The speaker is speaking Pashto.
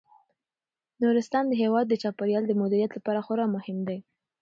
نورستان د هیواد د چاپیریال د مدیریت لپاره خورا مهم دی.